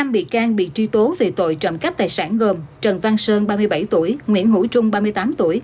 năm bị can bị truy tố về tội trộm cắp tài sản gồm trần văn sơn ba mươi bảy tuổi nguyễn hữu trung ba mươi tám tuổi